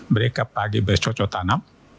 mereka pagi besok besok tanam